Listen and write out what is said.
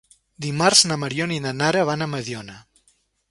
Dimarts na Mariona i na Nara van a Mediona.